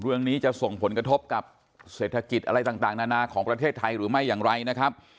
เรื่องนี้จะส่งผลกระทบกับเศรษฐกิจอะไรต่างนานาของประเทศไทยหรือไม่อย่างไรนะครับ